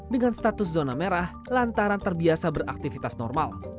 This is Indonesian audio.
dengan status zona merah lantaran terbiasa beraktivitas normal